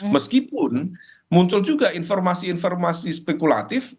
meskipun muncul juga informasi informasi spekulatif